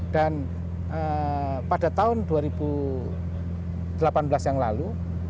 pada tahun dua ribu delapan belas yang lalu